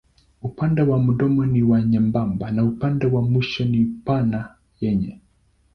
Upande wa mdomo ni nyembamba na upande wa mwisho ni pana yenye.